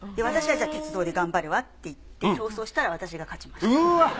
私は鉄道で頑張るわって言って競争したら私が勝ちました。